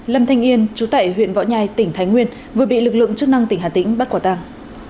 lâm thanh yên chú tại huyện võ nhai tỉnh thái nguyên vừa bị lực lượng chức năng tỉnh hà tĩnh bắt quả tàng